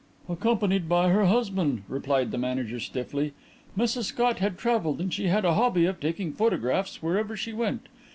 "Accompanied by her husband," replied the manager stiffly. "Mrs Scott had travelled and she had a hobby of taking photographs wherever she went.